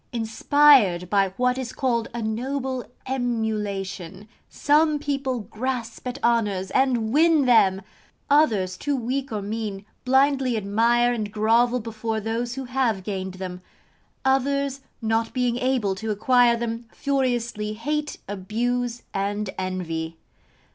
Inspired by what is called a noble emulation, some people grasp at honours and win them; others, too weak or mean, blindly admire and grovel before those who have gained them; others, not being able to acquire them, furiously hate, abuse, and envy.